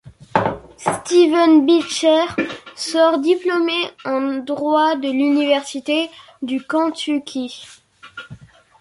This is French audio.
Steven Beshear sort diplômé en droit de l'université du Kentucky.